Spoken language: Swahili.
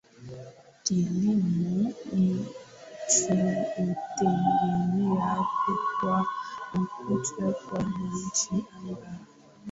Kilimo hicho hutegemea kupwa na kujaa kwa maji baharini